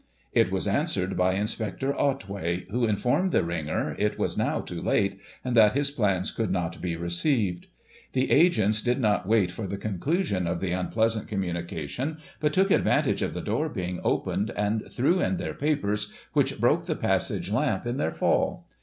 It was answered by Inspector Otway, who informed the ringer it was now too late, and that his plans could not be received The agents did not wait for the con clusion of the unpleasant communication, but took advantage of the door being opened, and threw in their papers, which broke the passage lamp in their fall.